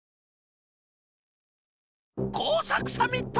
こうさくサミット！